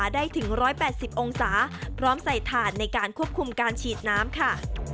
ได้ถึง๑๘๐องศาพร้อมใส่ถ่านในการควบคุมการฉีดน้ำค่ะ